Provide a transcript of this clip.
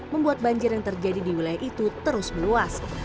membuat banjir yang terjadi di wilayah itu terus meluas